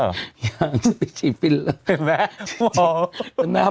อันนี้พี่ปิ๊ดเล่ะ